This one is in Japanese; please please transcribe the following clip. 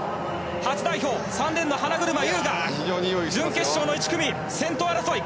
初代表、３レーンの花車優が準決勝の１組、先頭争い